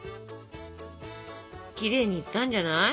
きれいにいったんじゃない？